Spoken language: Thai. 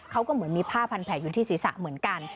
เขาก็เหมือนมีผ้าพันแผลอยู่ที่ศีรษะเหมือนกัน